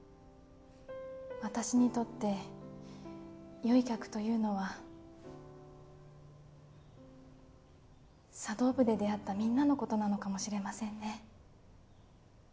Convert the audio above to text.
私にとってよい客というのは茶道部で出会ったみんなのことなのかもしれませんね